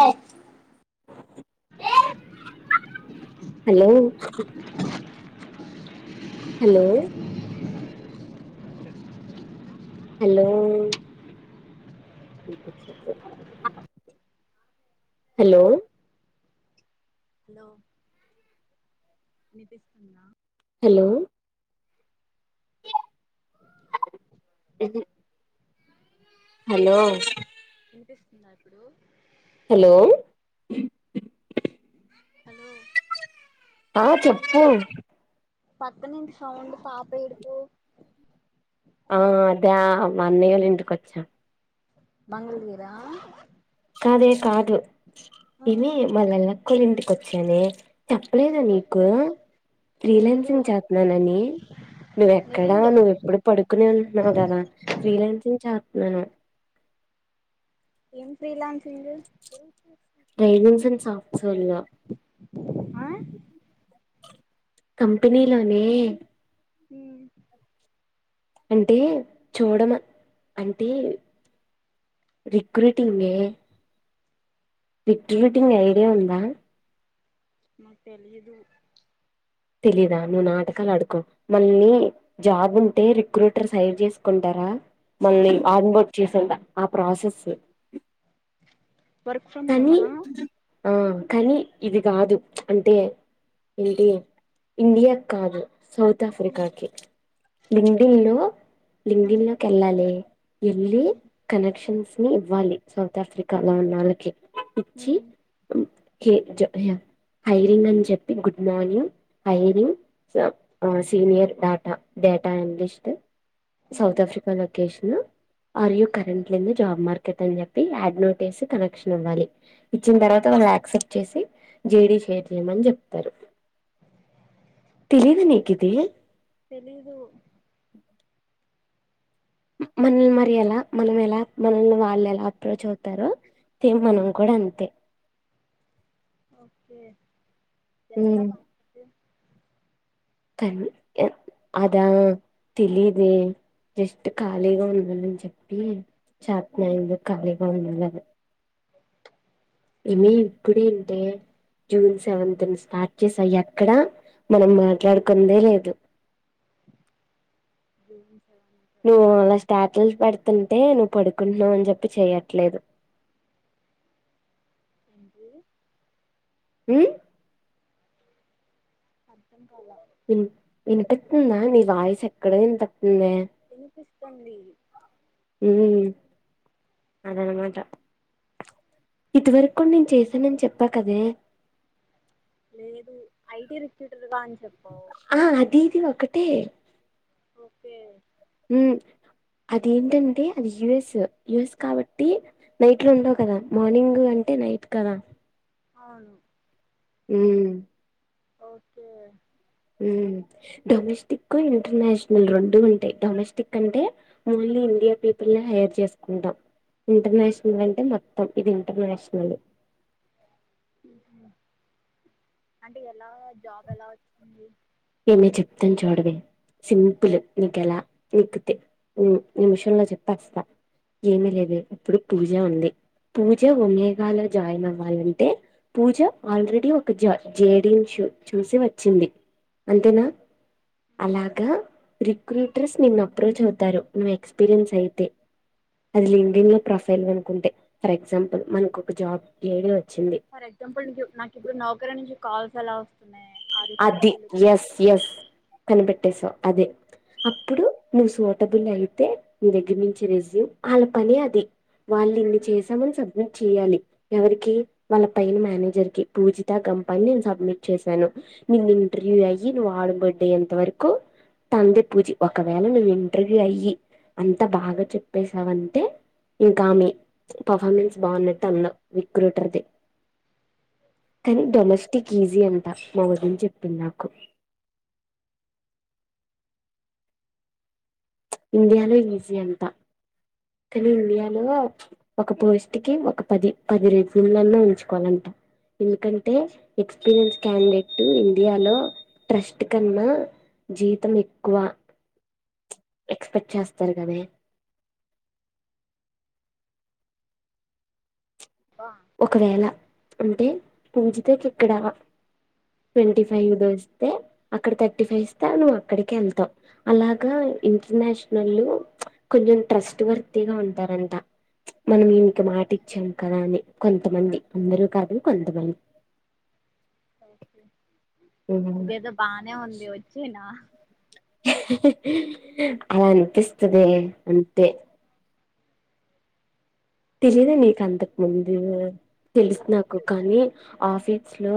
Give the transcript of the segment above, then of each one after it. ఆ hello hello hello వినిపించట్లేదు hello hello వినిపిస్తుందా హలో అ హలో వినిపిస్తుందా ఇప్పుడు హలో హలో ఆ చోపు పక్కనుంచి సౌండ్ పాప ఏడుపు ఓ అదే మా అన్నయ్యల ఇంటికొచ్చాం మంగళగిర [unintelligible] కాదు ఆ ఏంది మా లక్కోల్ల ఇంటికి వచ్చానే చెప్పలేదా నీకూ ఓకే ఫ్రీ లేదు లాన్సింగ్ చేత్తున్నాననీ. నిజం నువ్వెక్కడా చెప్పు నువ్వెప్పుడు పడుకునే వుంటున్నావు గదా ఫ్రీలాన్సింగ్ చేత్ నేను ఏం ఫ్రీ లాన్సింగూ రైవంసన్ సాఫ్ట్ సోల్ లా ఆ కంపెనీలానే హ్ము అంటే చూడమ అంటే రిక్రూటింగ్ ఏ రిక్రూటింగ్ ఐడియా ఉందా. నాక్ తెలియదూ తెలీదా నువ్వు నాటకాలు ఆడకు మళ్ళీ జాబ్ ఉంటే రిక్రూటర్స్ హైర్ చేసుకుంటారా. మళ్ళీ అవును ఆన్ బోర్డ్ చేసే అంతా ఆ ప్రాసెసు వర్క్ ఫ్రమ్ హోమా ఆ కానీ ఇది కాదు ప్చ్ అంటే ఏంటి ఇండియాక్ కాదు. సౌత్ ఓకే ఆఫ్రికాకి లింక్డిన్ లో లింక్డిన్ లోకి ఎళ్ళాలే ఎళ్ళీ కనెక్షన్స్ నీ ఇవ్వాలి. సౌత్ ఆఫ్రికాలో ఉన్నోళ్ళకి ఇచ్చీ కే జా హైరింగ్ అని చెప్పి గుడ్ మార్నింగ్ హైరింగ్ స ఆ senior data data analyst south Africa location are you currently in the job market అని చెప్పి ఆడ్ నోటేసి కనెక్ట్ క్షన్ ఇవ్వాలి ఇచ్చిన్ తర్వాత వాళ్ళు ఆక్సెప్ట్ చేశి జేడి షేర్ చేయమని చెప్తారు. తెలిదా నీకు ఇదీ తెలీదు మనల్ని మరి ఎలా మనం ఎలా మనల్ని వాళ్ళు ఎలా అప్రోచ్ అవుతారో సేమ్ మనం కూడా. అంతే ఓకే ఎంతా పా [inaudible] కాని ఎన్ అదా తెలీదే జస్ట్ ఖాళీగా ఉన్నానని చెప్పీ చేత్తున్నాను ఎందుకు ఖాళీగా ఉండాలని. ఇవీ ఇప్పుడే ఉంటే జూన్ సెవెంత్నా స్టార్ట్ చేశా ఎక్కడా మనం మాట్లాడుకుందే లేదు. అ నువ్వు అలా స్టాటిల్స్ పెడుతుంటే నువ్వు పడుకుంటున్నావు అని చెప్ప్ ప్పి చెయట్లేదు. ఏంటీ ఊ అర్థం కాలా విన్ వినిపిస్తుందా నీ వాయిసు ఎక్కడో వినపడుతుందే. స్తోందీ ఊ అదనమాటా ఇదివరకు నేను చేశానని చెప్పా కదే. లేదూ ఐటీ రిక్రూటర్ గా అన్ ఆ అది ఇది ఒకటే ఓకే ఊ అది ఏంటంటే అది యూఎస్సు యూఎస్ కాబట్టీ నైట్ లు ఉమ్, ఉండవు కదా మార్నింగ్. ఊ అంటే నైట్ కదా? అవును um okay um domestic, international రెండూ ఉంటాయ్, డొమెస్టిక్ అంటే ఓన్లీ ఇండి యా పీపుల్లే హైర్ చేసుకుంటాం. ఉమ్, ఇంటర్నేషనల్ అంటే మొత్తం ఇది ఇంటర్నేషనల్ అంటే ఎలా జాబ్ ఎలా వచ్చింది? ఏమే చెప్తాను చూడవే, ఉమ్, సింపుల్ నీకెలా నిక్కుతే నిమిషంలో చెప్పేస్తా ఏమీ లేదే ఇప్పుడు పీజియా ఉంది పూజ ఒమేగాలో జాయిన్ అవ్వాలంటే పూజ ఆల్రెడీ ఒక జ జేడిన్ష్ చూసి వచ్చింది ఉమ్, అంతేనా ఉమ్, అలాగ రిక్రూటర్స్ నిన్ను అప్రోచ్ అవుతారు నువ్వు ఎక్స్పీరియన్స్ అయితే అది ఉమ్. లింక్డిన్ లో ప్రొఫైల్ గనక ఉంటే ఫర్ ఎగ్జాంపుల్ మనకు ఒక జాబ్ ఐడి ఫర్ ఎగ్జాంపుల్ నీకు నాకు ఇప్పుడు నౌకరి నుంచి కాల్స్ ఎలా వస్తు అది యస్ యస్ కనిపెట్టేసవ్ అదే అప్పుడు నువ్వు సూటబుల్ అయితే నీ దగ్గర్నుంచి రెజ్యూమ్ వాళ్ళ పనే అది వాళ్ళు ఇన్ని చేసామని సబ్మిట్ చేయ్యాలి ఎవరికి వాళ్ళ పైన మేనేజర్ కి పూజిత గంపా అని నేను సబ్మిట్ చేశాను నిన్ను ఇంటర్వ్యూ అయ్యి నువ్వు ఆడం బర్డ్ అయ్యెంత వరకు తండ్రి పూజి ఒకవేళ నువ్వు ఇంటర్వ్యూ అయ్యి అంత బాగా చెప్పేసావంటే ఇంకా ఆమి పర్ఫార్మెన్స్ బాగున్నట్టు అన్నవ విక్రూటర్ది కానీ ఓకే డొమెస్టిక్ ఈజీ అంటా మా వదిన్ చెప్పింద్ నాకు ఇండియాలో ఈజీ అంత కానిల ఇండియాలో ఒక పోస్టికి ఒక పది పది రెజూమ్ళలో ఉంచుకోవాలంట ఎందుకంటే ఎక్స్ పీరియన్స్ క్యాండేట్ ఇండియాలో ట్రస్ట్ కన్నా జీతం ఎక్కువ ఎక్స్పెక్ట్ చేస్తారు కదే బా ఒకవేళ అంటే పుల్ డే పూజితాకి ఇక్కడా ట్వంటీ ఫైవ్ ద వస్తే అక్కడ థర్టీ ఫైవ్ ఇస్తే నువ్వు అక్కడికి వెళ్తావ్ అలాగ ఇంటర్నేషనల్ ప్చ్ కొంచెం ట్రస్ట్ వర్తీగా ఉంటారంట ప్చ్ మనం ఇక మాట ఇచ్చాం కదా అని కొంతమంది అందరూ కాదు కొంతమంది ఇదేదో బానే ఉంది వచ్చే నా అ అనిపిస్తుదయే అంతే తెలీద నీకు అంతకు ముందు తెలుసు నాకు తెలీదు కానీ ఆఫీస్ లో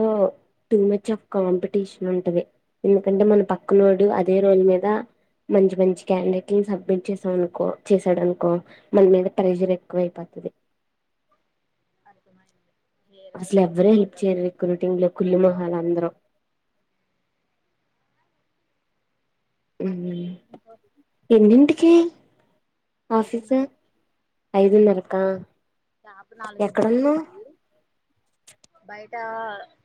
టూ మచ్ ఆఫ్ కాంపిటీషన్ ఉంటది ఎందుకంటే మన పక్కనోడు అదే రోల్ మీద మంచి మంచి క్యాండేట్లును సబ్మిట్ చేసాం అనుకో చేసాడనుకో మన మీద ప్రెజర్ ఎక్కువ ఐపోత్ తిది అర్థమైంది ఏ అసలు అయితే ఉంది ఎవ్వరూ హెల్ప్ పల్లోడు చేయ్యరు కొట్టుకోవడానికి రిక్రూటింగ్ లో కుల్లు మొహల్ అందరూ ఉమ్ ఇంకో ఎన్నింటికి ఆఫీస్ ఐదున్నరకి ఐదున్నరకా దాపు నాలుగు ఇంటికి ఎక్కడున్నావ్ వచ్చిద్ది బై టా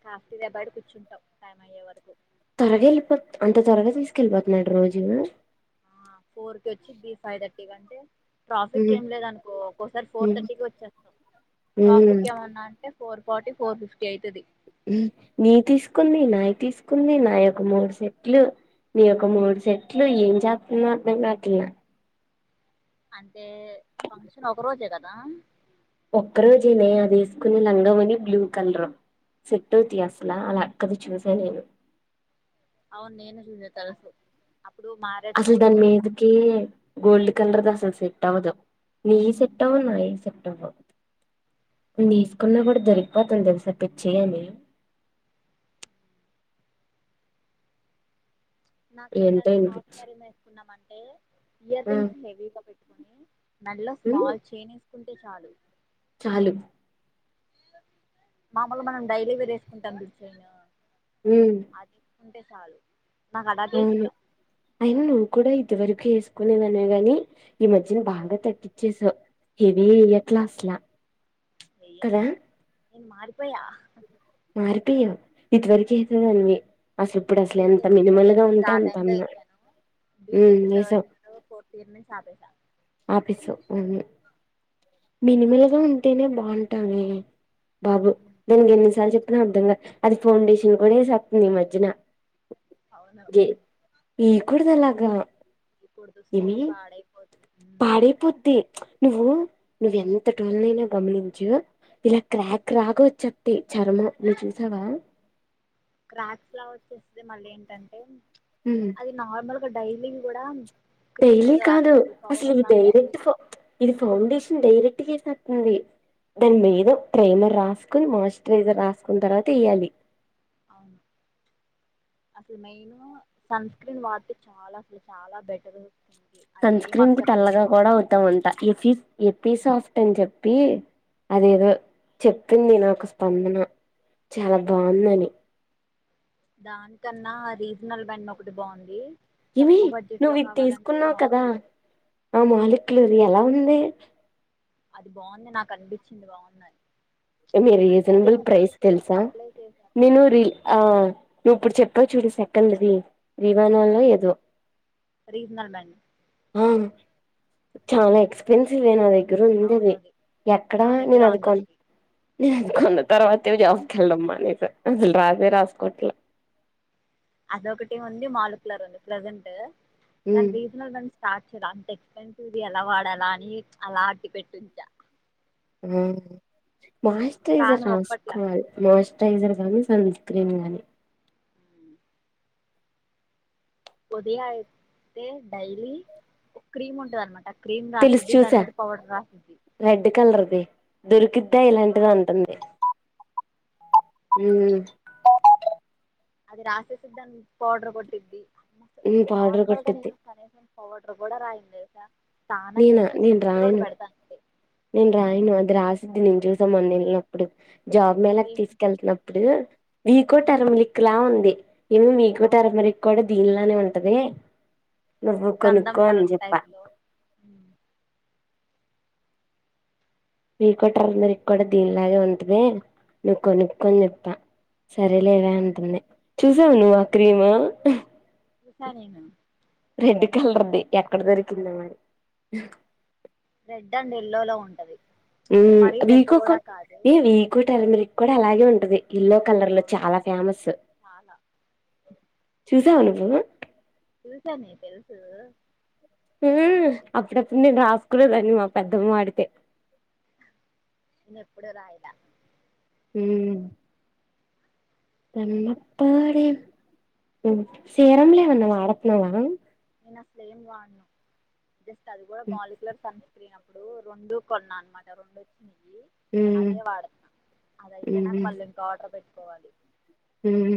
కాఫీ దెబ్బాడి కూర్చుంటాం టైం అయ్యే వరకు త్వరగెల్లిపో అంటె త్వరగా తీస్కెళ్లిపోతున్నాడా రోజు ఆ ఫోర్ కి వచ్చిద్ది ఫైవ్ థర్టీ కంటే ట్రాఫిక్ ఉహు ఏం లేదనుకో ఒక్కోసారి ఉ ఫోర్ థర్టీకి వచ్చేస్త ఉమ్ ట్రాఫిక్ ఏమన్నా అంటే ఫోర్ ఫార్టీ, ఫోర్ ఫిఫ్టీ అయితది ఉమ్ నీతీసుకుంది నాయి తీసుకుంది నాయొక్క మూడు సెట్లు నీయొక మూడు సెట్లు ఏం చాత్తుందో అర్థం గాట్ల అంటే ఫంక్షన్ ఒక రోజే గదా ఒక్క రోజనే అది ఎస్కుంది లంగా వోని బ్లూ కలర్ సెట్ అవుతయాసలా ఆళ్లక్కది చూసా నేను అవును నేను జూసా తెలుసు అప్పుడు మ్యారేజ్ అసల్ దాని డేకి మీదకీ గోల్డ్ కలర్ది అసలు సెట్ అవ్వదు నీయ్యి సెట్ట్ అవ్వవు నాయి సెట్ దీస్కున్న గూడ దొరికిపోతది తెలుసా పిచ్చేయని [inaudible] ఏంటో నాకేంటంటే ఈని హాఫ్ పిచ్చి సారీ వేసుకుందామన్ ఇయర్ ఆ రింగ్స్ హెవీ గ పెట్ మెడలో ఉమ్ స్మాల్ చైన్ వేసుకుంటే చాలు చాలు మామూలు మనం డైలీ వేర్ వేసుకుంటాం చూడు చైన్ ఉమ్ అది ఉంటే చాలు నాకు అలాగే అవును ఇష్టం అయిన నువ్ కూడా ఇద్ ది వరకు ఏసుకునేదాన్నే గని ఈ మధ్యన బాగా తగ్గిచ్చేసా హెవీ ఎయ్యట్ల అస్లా నేను కదా నేను మారిపోయా మారిపోయవు ఇదివరకేసేదానివి అసలిప్పుడసలు ఎంత బీటెక్ మినిమల్ గా ఉంటే అంత అన్నా బీ ఉమ్ టెక్ థర్డ్ వేసావ్ ఇయరో ఫోర్త్ ఇయర్ నుంచి ఆపేసా మినిమల్గ ఉంటేనే బావుంటావే బాబు దానికి ఎన్నిసార్లు చెప్పినా అర్ధంగాద్ అది ఫౌండేషన్ కూడ ఎసెత్తాంది ఈ మధ్యన అవునా ఏయకూడదలాగా ఎయ్ కూడదు స్కిన్ పాడైపోద్ది పాడైపోద్ది నువ్వు నువ్వెంత టోల్లనైనా గమనించు ఇలా క్రాక్ రాగ వచ్చద్ది చర్మం నువ్ చూసావా క్రాక్స్ లాగ వచ్చేస్తది మళ్ళెంటంటే ఉమ్ అది నార్మల్ డైలి గూడ డైలీ కాదు అసలు ఇవి రాసిద్ది డైరెక్ట్ ఫ ఇది ఫౌండేషన్ డైరెక్ట్ ఎస్తద్ ఉంది దాని మీద ప్రైమర్ రాసుకొని మాయిశ్చరైజర్ రాసుకున్న తర్వాత ఎయాలి అవునా అసలు మెయిన్ సన్ స్క్రీన్ వాడితే చాలా అసలు చాలా బెటరు సన్ స్క్రీన్కి తెల్లగా కూడ అవుతామంట ఎఫిస్ ఎతి అవును సాఫ్ట్ అని చెప్ ప్పి అదేదో చెప్పింది నాకు స్పందన చాల బావుందని దానికన్నా రీజనల్ బెండ్ ఒకటి బావుంది ఏమే నువ్వు ఇది తీసుకున్నావు కదా మాలుకులరు ఆ మాలికులు ఎలా ఉంది అది బాగుంది నాకు అనిపిచింది బాగుందని మీ అంటే రీజనబుల్ అదేంటంటే ప్రైస్ ఫేస్ కి తెలుసా అప్లై చేసాక నేను రి నువ్ ఇప్పుడు చె ప్తావు చూడు సెకండ్ది విమానాల్లో ఆ ఏదో రీజనల్ బ్యాండ్ అవును చాలా ఎక్స్పెన్సివే నా దగ్గర అవును ఉందది అది ఎక్కడా నా దగ్గర నేను అది ఉంది కొ ఒకటి నేను అనుకున్న తర్వాత ఏమో జాబ్కి ఎళ్ళడం మానేశా అసలు రాసే రాసుకోట్లా ప్లెజెంట్ ఉమ్ అండ్ రీజనల్ రం స్టార్ట్ చేయల అంత ఎక్స్పెన్సివ్‌ది ఎలా వాడాలా అని అలా అట్టి పెట్టుంచా ఆ ప్రాణం మాన్సరైజేషన్ ఒప్పట్లా రాసుకోవాలి మాన్స్ రైజర్ గానీ సన్ స్క్రీన్ గానీ ఉదయ అయితే డైలీ క్రీమ్ ఉంటది అనమాట క్రీమ్ తెలుసు రాస్తుద్ది చూసా దానిమీద పౌడర్ రాస్తుద్ది రెడ్ కలర్ది దొరికిద్దా ఇలాంటిది అంటుంది ఉమ్మ్ అది రాసేసి దాన్ పౌడర్ కొట్టిద్ది ఉమ్ పౌడర్ నార్మల్గా కొట్టిద్ది నేను కరేజన్ పౌడర్ కూడా రాయను తెలుసా స్నానం నేనా చేసి నేను స్టిక్కర్ ఒకటే రాయను పెడతా అంతే నేను రాయను అది రాసిద్ది నేను చూసా మొన్న ఎళ్ళినప్పుడు జాబ్ మేలాకి ఫేస్ తీసుకెళ్తున్నప్పుడు వికో టర్మరిక్లా ఉంది నేను వీకో అవును టర్మరిక్ వాడి దీనిలానే ఉంటది నువ్వు గంధం కొనుక్కో అని కలర్ చెప్పా టైపులో వికో టర్మరిక్ కూడా దీనిలాగే ఉంటది నువ్వు కొనుక్కో అని చెప్పా సరేలేవే అంటుంది చూసావే నువ్వు ఆ క్రీము చూసా నేను రెడ్ కలర్ది ఎక్కడ దొరికిందో మరి రెడ్ అండ్ ఎల్లోలో ఉంటది ఉమ్మ్ మరీ రెడ్ వీకొకొ కూడా కాదు ఏ వీకో టర్మరిక్ కూడా అలాగే ఉంటది ఎల్లో కలర్లో అవును చాలా ఫేమస్ చాలా చూశావా నువ్వు చూశానే తెలుసు ఉమ్మ్ అప్పుడప్పుడు నేను రాసుకునేదాన్ని మా పెద్దమ్మ వాడితే నేను ఎప్పుడు రాయల ఉమ్మ్ తన్నప్పడే మ్మ్ సీరమ్లు ఏమన్నా వాడట్లేదా నేను అసలు ఏం వాడను జస్ట్ అది కూడా మాలిక్యలర్ సన్ స్క్రీన్ ఒ ఇప్పుడు రెండు కొన్నా అనమాట రెండు వచ్చినాయ్ హ్మ్ అదే వాడత అదయిపోయినాక మళ్ళీ ఇంకో ఆర్డర్ పెట్టుకోవాలి ఉమ్మ్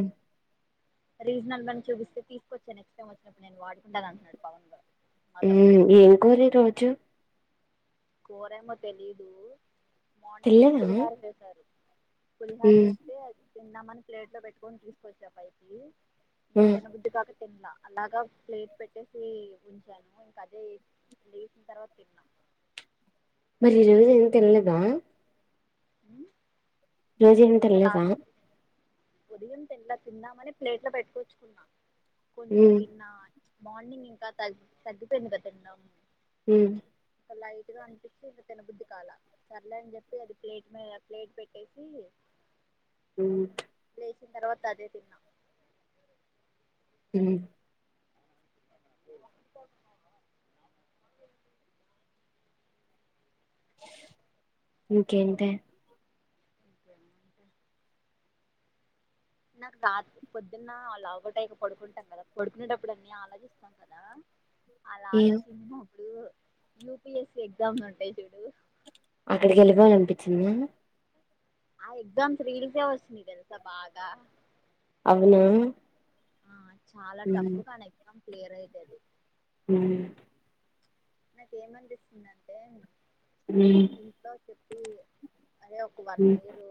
రీజనల్ మన్ చూపిస్తే తీసుకొచ్చే నెక్స్ట్ టైమ్ వచ్చినప్పుడు నేను వాడుకుంటాను అంటుడు పవన్ గా ఉమ్మ్ ఏం కూర ఈరోజు కూరేమో తెలిదు మార్నింగ్ తినలేదా పులిహార చేసారు పులిహార హ్మ్ చేస్తే తిందామని ప్లేట్లో పెట్టుకొని తీసుకొచ్చా పైకి ఇంకా హ్మ్ తినబుద్ధి కాక తిన్లా అలాగా ప్లేట్ పెట్టేసి ఉంచాను ఇంకా అదే లేసిన తర్వాత తిన్నాం మరి ఈ రోజు ఎం తినలేదా అ రోజేం తినలేదా ఉదయం తింల తిందామని ప్లేట్ లో పెట్టుకొచ్చుకున్నా కొంచెం హ్మ్ తిన్నా అని మార్నింగ్ ఇంకా తగ్గి తగ్గిపోయింది గా తిండం ఊ లైట్ గా అనిపిచ్చి ఇగ తినబుద్ధి కాల సర్లే అని చెప్పి అది ప్లేట్ మీద ప్లేట్ పెట్టేసి ఊ లేచిన తర్వాత అదే తిన్న ఊ [inaudible] ఇంకేంటి ఇంకేముంటయ్ నాకు రాత్రి పొద్దున్న లాగౌట్ అయక పడుకుంటాం కదా పడుకునేటప్పుడు అన్ని ఆలోచిస్తాం కదా అలా ఏం ఆలోచించినప్పుడు యూపిఎస్సి ఎగ్జామ్స్ ఉంటాయి చూడు అక్కడికి ఎళ్లిపోవాలనిపించిందా ఆ ఎగ్జామ్స్ రీల్సే వస్తుంది తెల్సా బాగా అవునా ఆ చాలా టఫ్ కానీ ఎగ్జామ్ క్లియర్ అయితది ఊ నాకేమనిపిస్తుందంటే హ్మ్ ఇంట్లో చెప్ అదే ఒక వన్ హ్మ్ ఇయర్